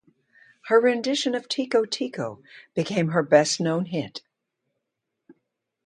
Her rendition of "Tico Tico" became her best-known hit.